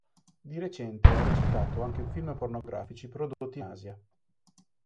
Di recente ha recitato anche in film pornografici prodotti in Asia.